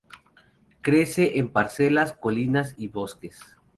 Crece en parcelas, colinas y bosques.